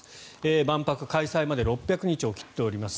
万博開催まで６００日を切っております。